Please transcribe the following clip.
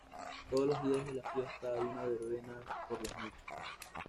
Todos los días de la fiesta hay una verbena por las noches.